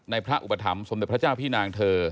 พระอุปถัมภสมเด็จพระเจ้าพี่นางเธอ